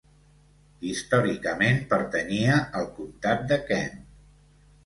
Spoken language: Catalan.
Històricament pertanyia al comtat de Kent.